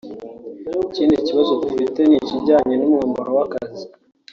Ikindi kibazo dufite ni ikijyanye n’umwambaro w’akazi